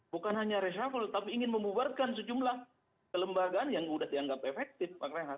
bukan hanya reshuffle tapi ingin membuarkan sejumlah kelembagaan yang sudah dianggap efektif